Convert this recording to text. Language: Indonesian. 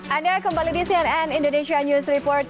anda kembali di cnn indonesia news report